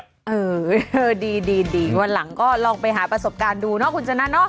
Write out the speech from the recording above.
เออดีวันหลังก็ลองไปหาประสบการณ์ดูนะคุณฉะนั้น